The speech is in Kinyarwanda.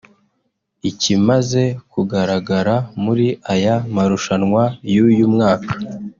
Ikimaze kugararaga muri aya marushanwa y’uyu mwaka